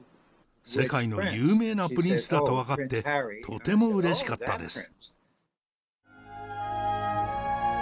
世界の有名なプリンスだと分かって、とてもうれしかったです。